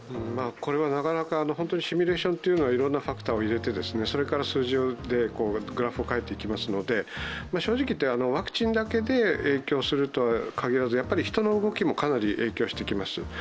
これはなかなかシミュレーションというのはいろんなファクターを入れてそれから数字でグラフを描いていきますので正直言ってワクチンだけで影響するとはかぎらずやはり人の動きもかなり影響してきます。